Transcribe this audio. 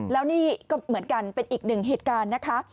แล้วนี่ก็เหมือนกันเป็นอีกหนึ่งเหตุการณ์นะคะ